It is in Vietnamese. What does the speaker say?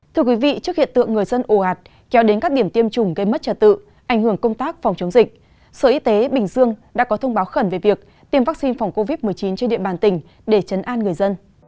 thưa quý vị trước hiện tượng người dân ồ ạt kéo đến các điểm tiêm chủng gây mất trật tự ảnh hưởng công tác phòng chống dịch sở y tế bình dương đã có thông báo khẩn về việc tiêm vaccine phòng covid một mươi chín trên địa bàn tỉnh để chấn an người dân